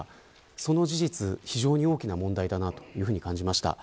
その事実が非常に大きな問題だと感じました。